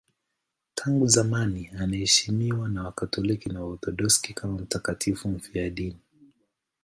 Tangu zamani anaheshimiwa na Wakatoliki na Waorthodoksi kama mtakatifu mfiadini.